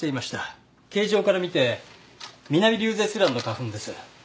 形状から見てミナミリュウゼツランの花粉です。